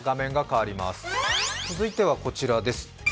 続いては、こちらです。